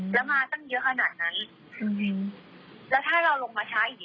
แล้วมาตั้งเยอะขนาดนั้นแล้วถ้าเราลงมาช้าอีก